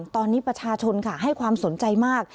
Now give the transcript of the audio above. ตอนนี้ประชาชนค่ะให้ความสนใจมาก